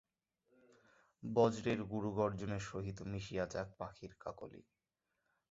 বজ্রের গুরুগর্জনের সহিত মিশিয়া যাক পাখির কাকলি।